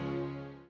terima kasih pak